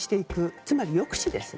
つまり、抑止ですね。